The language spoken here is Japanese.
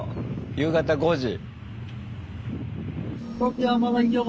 夕方５時。